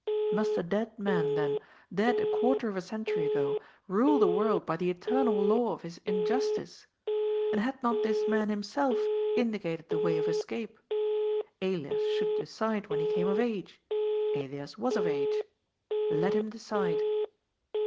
Must a dead man, then, dead a quarter of a century ago, rule the world by the eternal law of his injustice? And had not this man himself indicated the way of escape ? Elias should decide when he came of age. Elias was of age. Let him decide.